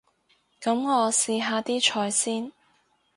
噉我試下啲菜先